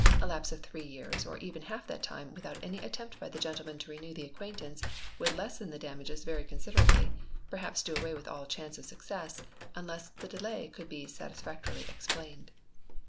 A lapse of three years, or even half that time, without any attempt by the gentleman to renew the acquaintance, would lessen the damages very considerably perhaps do away with all chance of success, unless the delay could be satisfactorily explained.